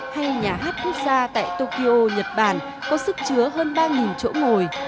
hay nhà hát quốc gia tại tokyo nhật bản có sức chứa hơn ba chỗ ngồi